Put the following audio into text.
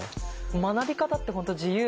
学び方って本当自由だな。